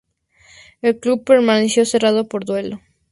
El club permaneció cerrado por duelo.